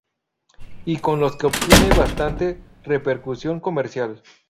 Y con los que obtiene bastante repercusión comercial.